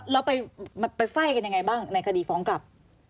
แล้วไปไฟ่กันยังไงบ้างในคดีฟ้องกลับ